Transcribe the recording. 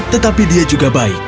tetapi dia juga baik